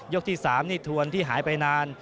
ยกที่๓ทวนที่หายไปนาน